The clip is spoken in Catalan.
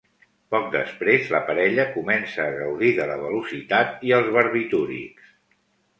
Poc després, la parella comença a gaudir de la velocitat i els barbitúrics.